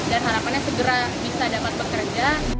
dan harapannya segera bisa dapat bekerja